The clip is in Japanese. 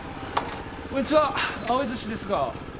こんにちはアオイ寿司ですが。